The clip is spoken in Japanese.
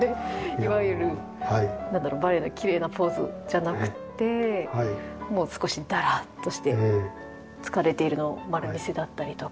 いわゆるバレエのきれいなポーズじゃなくってもう少しダラッとして疲れているの丸見せだったりとか。